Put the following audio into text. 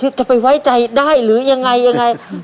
เฮ้ยอ้วนจะไปไว้ใจได้หรือยังไง